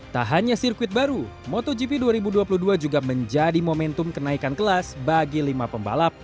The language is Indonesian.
tak hanya sirkuit baru motogp dua ribu dua puluh dua juga menjadi momentum kenaikan kelas bagi lima pembalap